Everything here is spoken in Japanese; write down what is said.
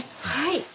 はい。